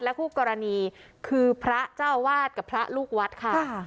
คู่กรณีคือพระเจ้าวาดกับพระลูกวัดค่ะ